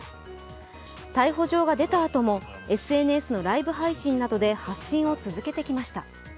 逮捕状が出たあともＳＮＳのライブ配信などで発信を続けてきました。